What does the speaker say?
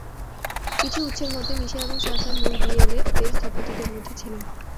কিছু উৎসের মতে, মিশা এবং সাশা মূল বিএলএ-এর স্থপতিদের মধ্যে ছিলেন।